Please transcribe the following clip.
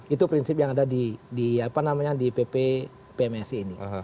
itu prinsip yang ada di pppms ini